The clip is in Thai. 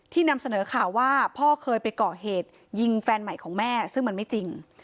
นำเสนอข่าวว่าพ่อเคยไปก่อเหตุยิงแฟนใหม่ของแม่ซึ่งมันไม่จริง